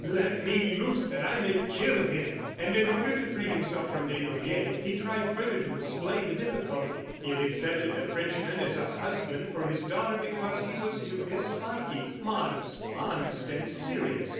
Let me loose that I may kill him." And in order to free himself from Desnoyers, he tried further to explain the difficulty. He had accepted the Frenchman as a husband for his daughter because he was to his liking, modest, honest ... and serious.